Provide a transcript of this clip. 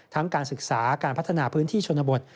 การศึกษาการพัฒนาพื้นที่ชนบท